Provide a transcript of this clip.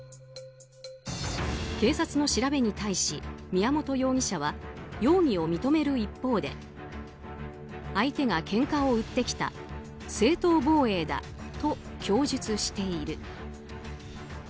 警察の調べに対し、宮本容疑者は容疑を認める一方で相手がけんかを売ってきた正当防衛だと供述している。